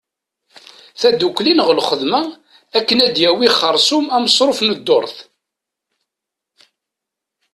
Taddukli neɣ lxedma akken ad yawi xersum amesruf n ddurt.